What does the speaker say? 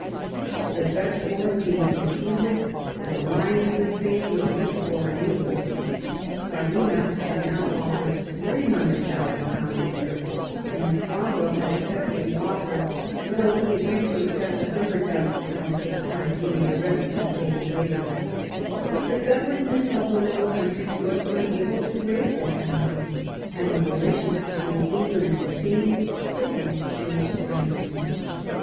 The Dutch war being concluded, an alliance with Spain was looked for in England. Cardenas had now offered £300,000 a year, and Cromwell had accepted the offer, though he agreed to accept £100,000 for the time being, the rest to be paid later. But the government of the Low Countries was unable to raise that money, and the relations between Eng land and Spain quickly became strained.